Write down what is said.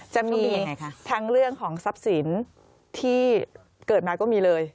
จะมียังไงคะทั้งเรื่องของทรัพย์สินที่เกิดมาก็มีเลย